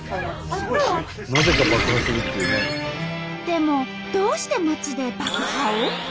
でもどうして街で爆破を？